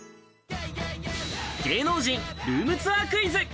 芸能人ルームツアークイズ。